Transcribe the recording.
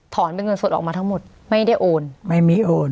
เป็นเงินสดออกมาทั้งหมดไม่ได้โอนไม่มีโอน